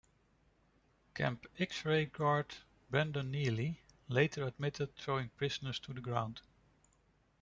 Camp X-Ray guard Brandon Neely later admitted throwing prisoners to the ground.